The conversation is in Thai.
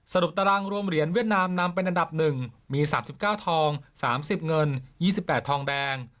ตารางรวมเหรียญเวียดนามนำเป็นอันดับ๑มี๓๙ทอง๓๐เงิน๒๘ทองแดง